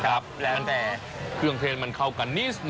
ครับแล้วแต่เครื่องเทรมันเข้ากันนี้สักหนึ่ง